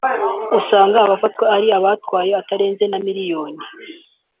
usanga abafatwa ari abatwaye atarenze na miliyoni